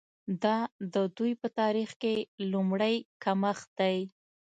دا د دوی په تاریخ کې لومړی کمښت دی.